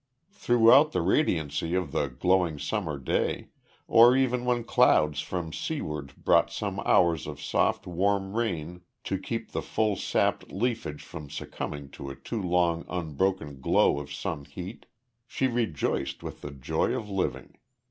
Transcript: Throughout the radiancy of the glowing summer day or even when clouds from seaward brought some hours of soft warm rain to keep the full sapped leafage from succumbing to a too long unbroken glow of sun heat, she rejoiced with the joy of living.